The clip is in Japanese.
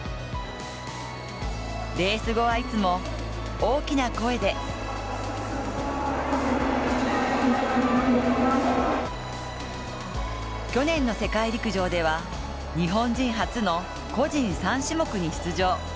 レース後はいつも大きな声で去年の世界陸上では、日本人初の個人３種目に出場。